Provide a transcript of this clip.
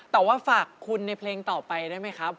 แต่ว่าฝากคุณในเพลงต่อไปได้ไหมครับ